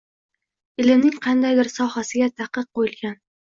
Ilmning qandaydir sohasiga taqiq qoʻyilgan.